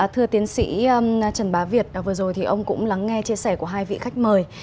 thưa tiến sĩ trần bá việt vừa rồi thì ông cũng lắng nghe chia sẻ của hai vị khách mời